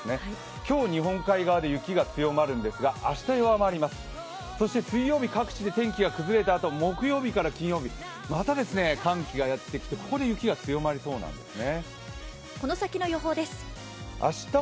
今日、日本海側で雪が強まるんですが、明日弱まります、水曜日各地で天気が崩れたあと木曜日から金曜日、また寒気がやってきてここで雪が強まりそうなんですね。